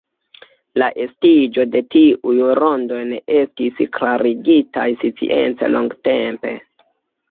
La estiĝo de tiuj rondoj ne estis klarigitaj science longtempe.